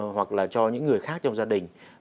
hoặc là cho những người khác trong gia đình